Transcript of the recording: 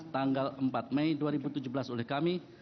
tanggal empat mei dua ribu tujuh belas oleh kami